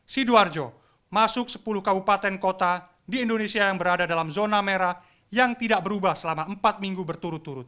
sidoarjo masuk sepuluh kabupaten kota di indonesia yang berada dalam zona merah yang tidak berubah selama empat minggu berturut turut